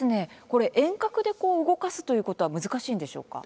これ遠隔で動かすということは難しいんでしょうか？